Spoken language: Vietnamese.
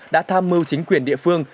đã tham mưu chính quyền địa phương